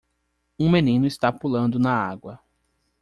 Um menino está pulando na água